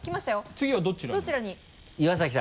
次はどちらに？